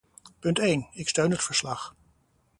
Punt een: ik steun het verslag.